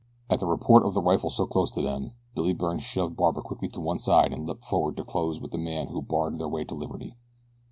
At the report of the rifle so close to them Billy Byrne shoved Barbara quickly to one side and leaped forward to close with the man who barred their way to liberty.